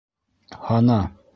Һана.